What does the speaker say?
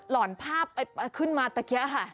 หล่อนผ้าขึ้นมาเมื่อกี้ค่ะ